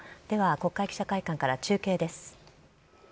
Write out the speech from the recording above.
では、国会記者会館から中継です。